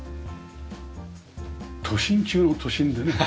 都心中の都心でね